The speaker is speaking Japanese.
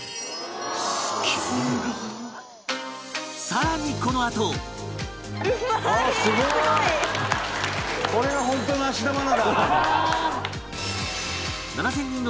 さらにこのあとが登場！